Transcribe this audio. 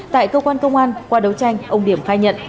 tại cơ quan công an qua đấu tranh ông điểm khai nhận